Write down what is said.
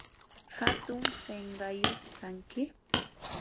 hatun sinqayuq kanki.